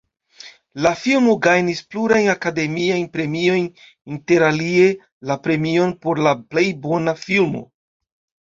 La filmo gajnis plurajn Akademiajn Premiojn, interalie la premion por la plej bona filmo.